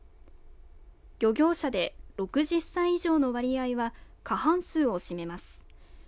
漁業者で６０歳以上の割合は過半数を占めます。